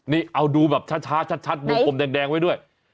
นี่เอาดูแบบช้าชัดวงกลมแดงไว้ด้วย